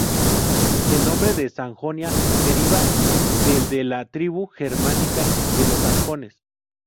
El nombre de Sajonia deriva del de la tribu germánica de los sajones.